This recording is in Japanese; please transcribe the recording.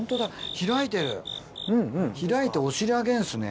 開いてお尻上げるんですね。